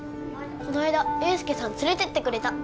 この間エースケさん連れてってくれた